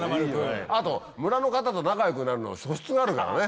あと村の方と仲良くなるのは素質があるからね。